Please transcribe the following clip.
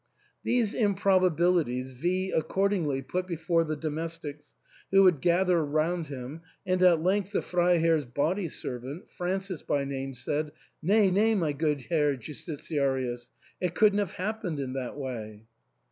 These improbabilities V accordingly put before the domestics, who had gathered round him, and at length the Freiherr's body servant, Francis by name, said, " Nay, nay, my good Herr Justitiarius ; it couldn't have happened in that way."